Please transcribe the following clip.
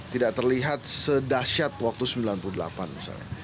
tidak terlihat sedahsyat waktu seribu sembilan ratus sembilan puluh delapan misalnya